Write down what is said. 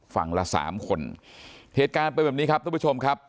ฝั่งละสามคนเทศกาลเป็นแบบนี้ครับทุกผู้ชมครับ